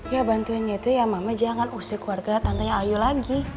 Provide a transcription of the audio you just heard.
ya bantuinnya itu ya m suk keluarga tantanya ayu lagi